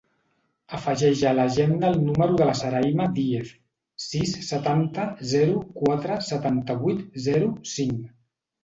Afegeix a l'agenda el número de la Sarayma Diez: sis, setanta, zero, quatre, setanta-vuit, zero, cinc.